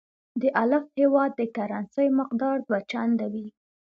د الف هیواد د کرنسۍ مقدار دوه چنده وي.